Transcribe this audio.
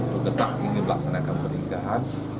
bergetak ingin melaksanakan pernikahan